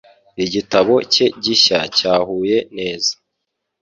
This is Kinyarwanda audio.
Igitabo cye gishya cyahuye neza